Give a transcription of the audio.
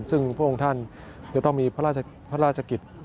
ซึ่งพระองค์ท่านจะต้องมีพระราชกิจ